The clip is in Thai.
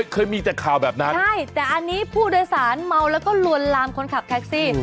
เคยมีแต่ข่าวแบบนั้นใช่แต่อันนี้ผู้โดยสารเมาแล้วก็ลวนลามคนขับแท็กซี่